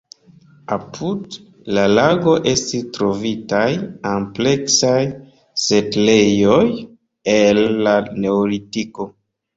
Apud la lago estis trovitaj ampleksaj setlejoj el la neolitiko.